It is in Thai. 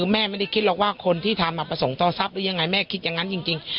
แม่ไม่ได้คิดหรอกว่าคนที่ทำประสงค์ต่อทรัพย์หรือยังไงแม่คิดอย่างนั้นจริง